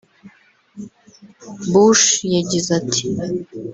Bush yagize ati